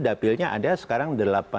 dapilnya ada sekarang delapan puluh